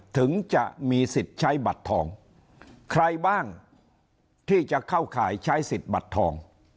ถึงจะมีสิทธิ์ใช้บัตรทองใครบ้างที่จะเข้าข่ายใช้สิทธิ์บัตรทอง